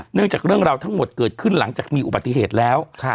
จากเรื่องราวทั้งหมดเกิดขึ้นหลังจากมีอุบัติเหตุแล้ว